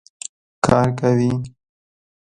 کار کوي